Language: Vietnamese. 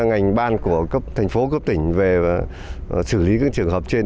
các ngành ban của thành phố cấp tỉnh về xử lý các trường hợp trên